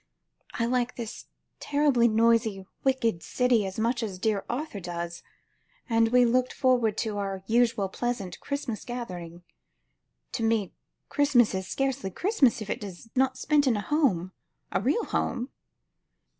"I dislike this terribly noisy, wicked city as much as dear Arthur does; and we had looked forward to our usual pleasant Christmas gathering. To me, Christmas is scarcely Christmas if it is not spent in a home a real home."